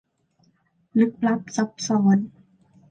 ลึกลับซับซ้อน